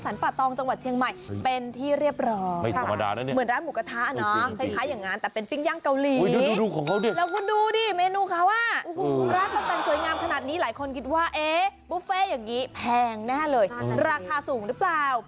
ร้านมันเป็นสวยงามขนาดนี้หลายคนคิดว่าเอ๊ะบุฟเฟ่อย่างงี้แพงแน่เลยราคาสูงหรือเปล่า